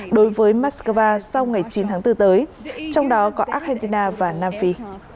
đối với moscow sau ngày chín tháng bốn tới trong đó có argentina và nam phi